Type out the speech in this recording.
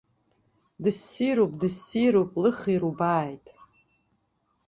Дыссируп, дыссир, лыхир убааит!